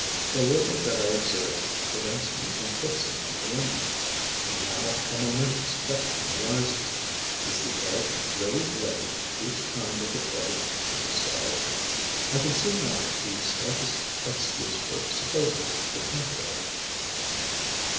The little that I observed prevents me from fixing any limit. And now a momentous question arises: is the egg really laid each time that the probe enters a cell? I can see not the slightest excuse for supposing the contrary.